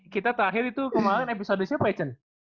kita terakhir itu kemarin episode siapa echen